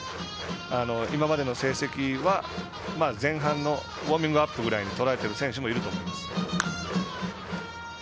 今までの成績は前半のウォーミングアップぐらいにとらえてる選手もいると思います。